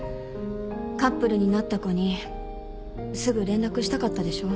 カップルになった子にすぐ連絡したかったでしょ。